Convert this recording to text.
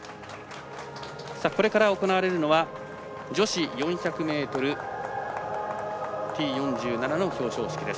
これから行われるのは女子４００ｍＴ４７の表彰式です。